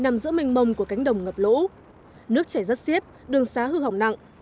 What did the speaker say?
mình mông của cánh đồng ngập lũ nước chảy rất xiết đường xá hư hỏng nặng